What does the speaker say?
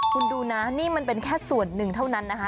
คุณดูนะนี่มันเป็นแค่ส่วนหนึ่งเท่านั้นนะคะ